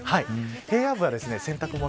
平野部は洗濯物